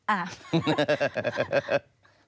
อ่า